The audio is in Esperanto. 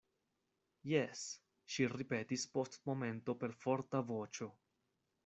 Jes, ŝi ripetis post momento per forta voĉo.